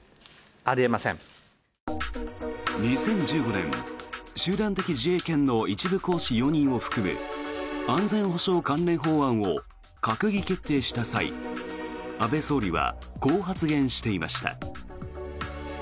２０１５年、集団的自衛権の一部行使容認を含む安全保障関連法案を閣議決定した際安倍総理はこう発言していました。